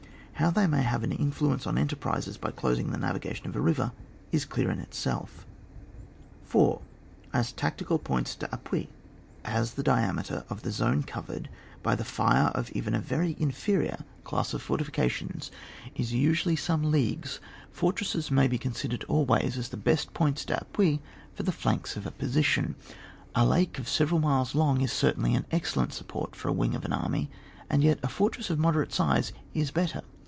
How they may have an influence on en terprises by closing the navigation of a river is clear in itself. 4. As tactical points (Vappui, As the diameter of the zone covered by the fire of even a very inferior class of fortifica tions is usually some leagues, fortresses may be considered always as the best points d'appui for the flanks of a position. A lake of several miles long is certainly an excellent support for the wing of an army, and y^ a fortress of moderate size is better.